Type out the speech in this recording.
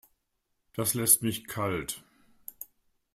Das lässt mich kalt.